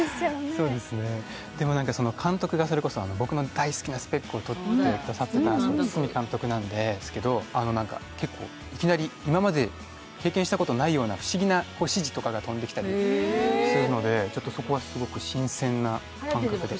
でも、監督がそれこそ、僕の大好きな「ＳＰＥＣ」を撮っていた堤監督なんですけど、いきなり今まで経験したことないような不思議な指示とかが飛んできたりするのでそこはすごく新鮮な感覚です。